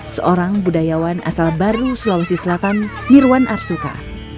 seorang budayawan asal baru sulawesi selatan nirwan arsuka